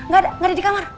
gak ada gak ada di kamar